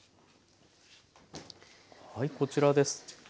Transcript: はいこちらです。